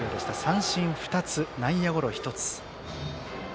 三振２つ、内野ゴロ１つ。